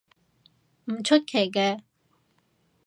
唔出奇嘅